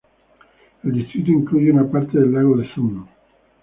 El distrito incluye una parte del lago de Thun.